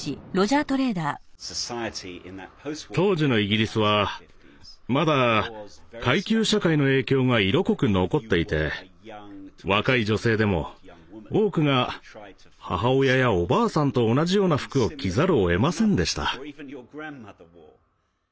当時のイギリスはまだ階級社会の影響が色濃く残っていて若い女性でも多くが母親やおばあさんと同じような服を着ざるをえませんでした。